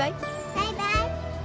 バイバイ。